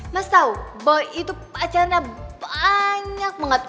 mas tau boy itu pacarnya baaanyak banget